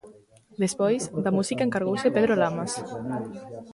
Despois, da música encargouse Pedro Lamas.